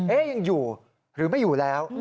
ยังอยู่หรือไม่อยู่แล้ว